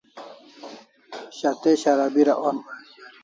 Shat'e Shara bira on